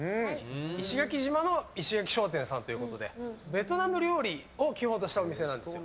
石垣島の石垣商店さんということでベトナム料理を基本としたお店なんですよ。